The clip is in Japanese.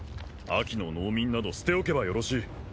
安芸の農民など捨て置けばよろしい。